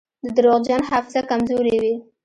د درواغجن حافظه کمزورې وي.